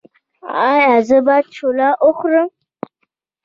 ایا زه باید شوله وخورم؟